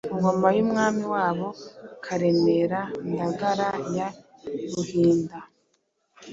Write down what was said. ku ngoma y'umwami wabo Karemera Ndagara ya Ruhinda,